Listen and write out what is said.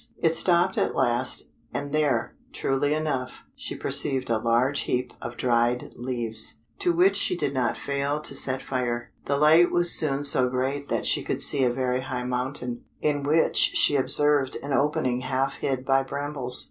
It stopped at last, and there, truly enough, she perceived a large heap of dried leaves, to which she did not fail to set fire. The light was soon so great that she could see a very high mountain, in which she observed an opening half hid by brambles.